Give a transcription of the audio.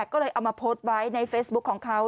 ก็เลยเอามาโพสต์ไว้ในเฟซบุ๊คของเขา